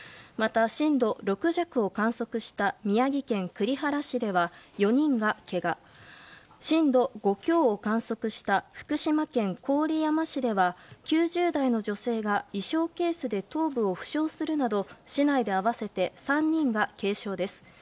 また、震度６弱を観測した宮城県栗原市では４人がけが震度５強を観測した福島県郡山市では９０代の女性が衣装ケースで頭部を負傷するなど市内で合わせて３人が軽傷です。